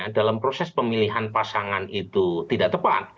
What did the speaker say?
dalam proses pemilihan pasangan itu tidak tepat